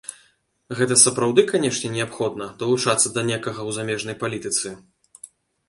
Гэта, сапраўды, канечне неабходна, далучацца да некага ў замежнай палітыцы?